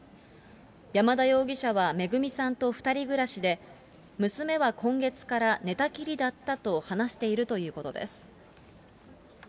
山田容疑者はめぐみさんと２人暮らしで、娘は今月から寝たきりだったと話しているということです。